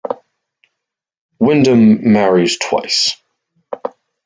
Wyndham married twice.